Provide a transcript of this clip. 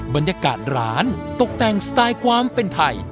บรรยากาศร้านตกแต่งสไตล์ความเป็นไทย